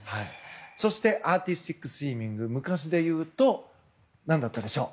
そしてアーティスティックスイミング昔でいうと何だったでしょう？